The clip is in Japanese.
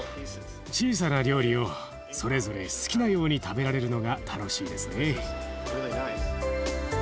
小さな料理をそれぞれ好きなように食べられるのが楽しいですね。